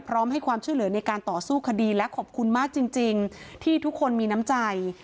พร้อมให้ความช่วยเหลือในการต่อสู้คดีและขอบคุณมากจริงที่ทุกคนมีน้ำใจ